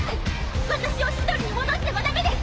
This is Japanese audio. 私をシドルに戻してはダメです！